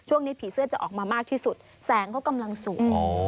วันนี้ผีเสื้อจะออกมามากที่สุดแสงก็กำลังสูง